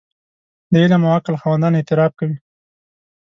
د علم او عقل خاوندان اعتراف کوي.